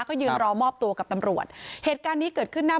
ก็ยืนรอมอบตัวกับตำรวจเหตุการณ์นี้เกิดขึ้นหน้า